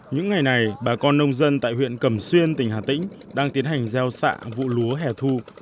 những ngày này bà con nông dân tại huyện cẩm xuyên tỉnh hà tĩnh đang tiến hành gieo xạ vụ lúa hẻ thu